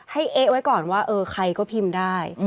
เอ๊ะไว้ก่อนว่าเออใครก็พิมพ์ได้